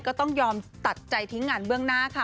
ก็ต้องยอมตัดใจทิ้งงานเบื้องหน้าค่ะ